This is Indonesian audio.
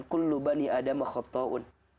kullu bani adama khotoun